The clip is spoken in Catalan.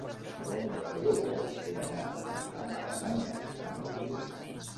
l'onze de juliol he d'anar a Madremanya amb autobús.